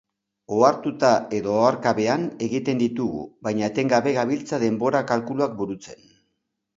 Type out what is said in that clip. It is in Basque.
Ohartuta edo oharkabean egiten ditugu, baina etengabe gabiltza denbora kalkuluak burutzen.